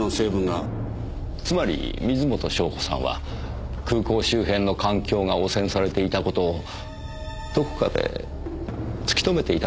つまり水元湘子さんは空港周辺の環境が汚染されていた事をどこかで突き止めていたのでしょうかねぇ。